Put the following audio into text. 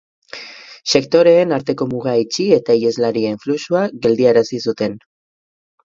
Sektoreen arteko muga itxi eta iheslarien fluxua geldiarazi zuten.